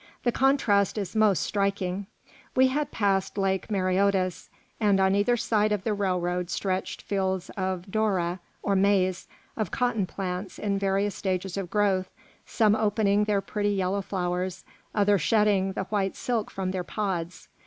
The contrast is most striking. We had passed Lake Mareotis, and on either side of the railroad stretched fields of doora or maize, of cotton plants in various stages of growth, some opening their pretty yellow flowers, others shedding the white silk from their pods.